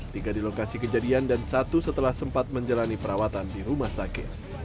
tiga di lokasi kejadian dan satu setelah sempat menjalani perawatan di rumah sakit